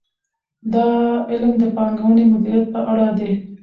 دا علم د پانګونې مدیریت په اړه دی.